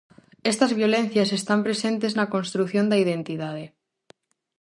Estas violencias están presentes na construción da identidade.